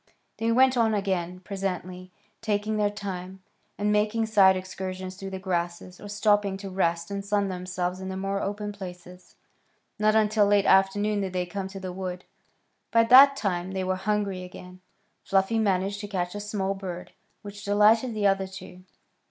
They went on again presently, taking their time, and making side excursions through the grasses, or stopping to rest and sun themselves in the more open places. Not until late afternoon did they come to the wood. By that time they were hungry again. Fluffy managed to catch a small bird, which delighted the other two.